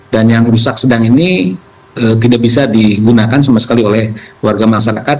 dan yang rusak sedang ini tidak bisa digunakan sama sekali oleh warga masyarakat